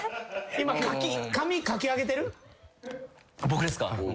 今ですか？